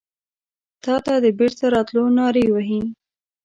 تاته د بیرته راتلو نارې وهې